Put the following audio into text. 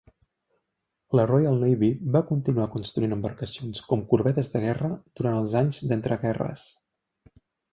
La Royal Navy va continuar construint embarcacions com corbetes de guerra durant els anys d'entreguerres.